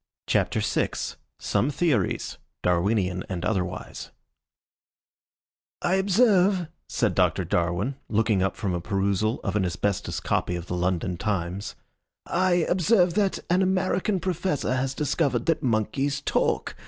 CHAPTER VI: SOME THEORIES, DARWINIAN AND OTHERWISE "I observe," said Doctor Darwin, looking up from a perusal of an asbestos copy of the London Times "I observe that an American professor has discovered that monkeys talk.